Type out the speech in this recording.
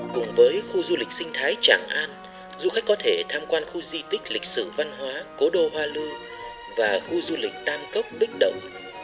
cùng với khu du lịch sinh thái tràng an du khách có thể tham quan khu di tích lịch sử văn hóa cố đô hoa lư và khu du lịch tam cốc bích động